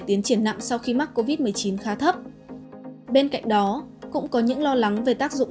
tiến triển nặng sau khi mắc covid một mươi chín khá thấp bên cạnh đó cũng có những lo lắng về tác dụng